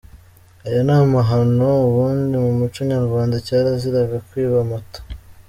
Aya Ni amahano ubundi mu muco nyarwanda cyaraziraga kwiba amata! .